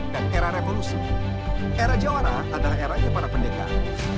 dan era revolusi era jawara adalah eranya para pendekat